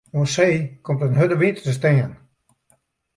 Oan see komt in hurde wyn te stean.